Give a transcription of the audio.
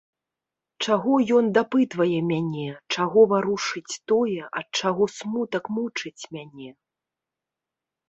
Чаго ён дапытвае мяне, чаго варушыць тое, ад чаго смутак мучыць мяне.